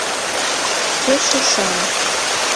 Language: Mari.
Пеш ушан: